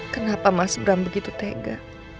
kenapa mas bram begitu tega